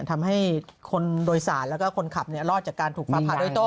ทำให้คนโดยสารแล้วก็คนขับรอดจากการถูกฟ้าผ่าโดยโต้